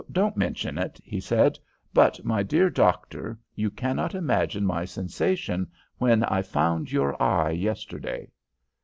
"'Don't mention it,' he said. 'But, my dear doctor, you cannot imagine my sensations when I found your eye yesterday.'